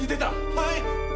はい！